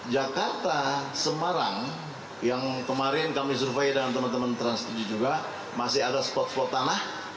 jakarta semarang yang kemarin kami survei dengan teman teman trans tujuh juga masih ada spot spot tanah